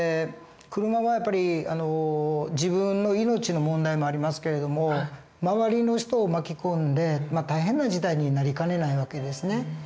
車はやっぱり自分の命の問題もありますけれども周りの人を巻き込んで大変な事態になりかねない訳ですね。